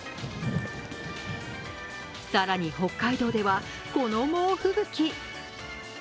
更に北海道ではこの猛吹雪。